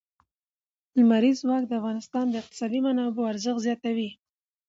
لمریز ځواک د افغانستان د اقتصادي منابعو ارزښت زیاتوي.